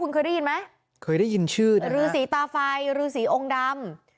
คุณเคยได้ยินไหมเคยได้ยินชื่อนะรือสีตาไฟรือสีองค์ดำ